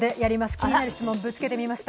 気になる質問、ぶつけてみました。